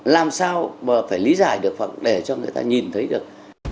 làm sao mà phải lý giải được hoặc để cho người ta nhìn thấy được